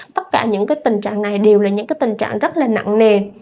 tất cả những tình trạng này đều là những tình trạng rất là nặng nề